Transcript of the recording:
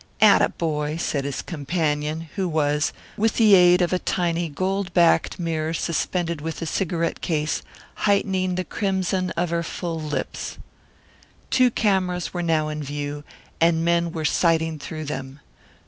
"Atta boy!" said his companion, who was, with the aid of a tiny gold backed mirror suspended with the cigarette case, heightening the crimson of her full lips. Two cameras were now in view, and men were sighting through them.